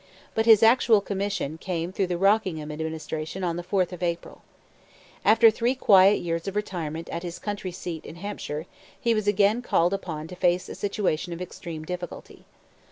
But his actual commission came through the Rockingham administration on the 4th of April. After three quiet years of retirement at his country seat in Hampshire he was again called upon to face a situation of extreme difficulty.